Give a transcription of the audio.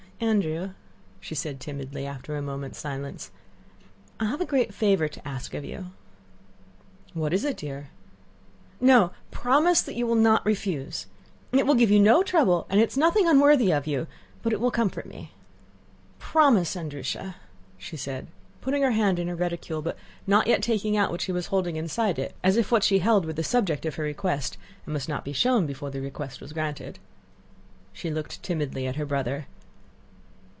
Andrew..." she said timidly after a moment's silence, "I have a great favor to ask of you." "What is it, dear?" "No—promise that you will not refuse! It will give you no trouble and is nothing unworthy of you, but it will comfort me. Promise, Andrúsha!..." said she, putting her hand in her reticule but not yet taking out what she was holding inside it, as if what she held were the subject of her request and must not be shown before the request was granted. She looked timidly at her brother.